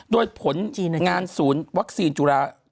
โดยผลงานศูนย์วัคซีนจุฬา